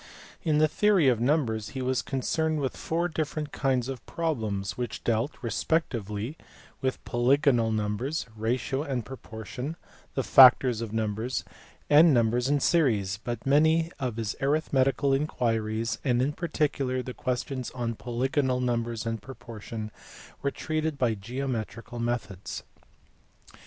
In the theory of numbers he was con cerned with four different kinds of problems which dealt re spectively with polygonal numbers, ratio and proportion, the factors of numbers, and numbers in series; but many of his arithmetical inquiries, and in particular the questions on poly gonal numbers and proportion, were treated by geometrical methods.